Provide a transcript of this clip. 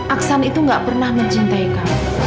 aksan itu nggak pernah mencintai kamu